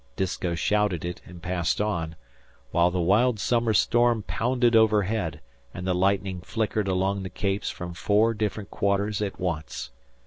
Disko shouted it and passed on, while the wild summer storm pounded overhead and the lightning flickered along the capes from four different quarters at once.